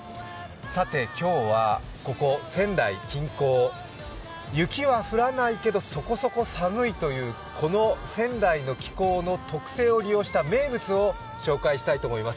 今日はここ仙台近郊、雪は降らないけど、そこそこ寒いという、この仙台の気候の特性を利用した名物を紹介したいと思います。